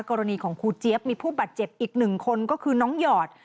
กรณีของครูเจี๊ยบมีผู้บาดเจ็บอีกหนึ่งคนก็คือน้องหยอด